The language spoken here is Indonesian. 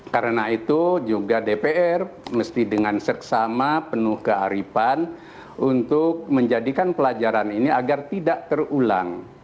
karena itu juga dpr mesti dengan seksama penuh kearifan untuk menjadikan pelajaran ini agar tidak terulang